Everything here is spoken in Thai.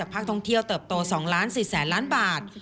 และภาคท่องเที่ยวเติบโต๒ล้าน๔แสนล้านบาท